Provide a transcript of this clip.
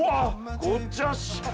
ごっちゃんし！